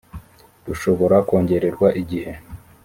rushobora kongererwa igihe.